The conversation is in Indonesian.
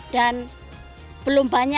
dan belum banyaknya